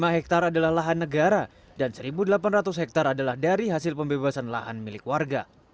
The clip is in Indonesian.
lima hektare adalah lahan negara dan satu delapan ratus hektare adalah dari hasil pembebasan lahan milik warga